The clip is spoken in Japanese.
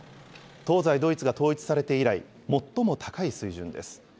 東西ドイツが統一されて以来、最も高い水準です。